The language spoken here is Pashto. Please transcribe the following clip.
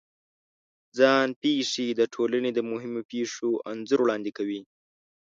ځان پېښې د ټولنې د مهمو پېښو انځور وړاندې کوي.